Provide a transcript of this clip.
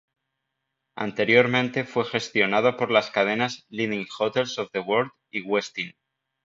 Anteriormente fue gestionado por las cadenas Leading Hotels of the World y Westin.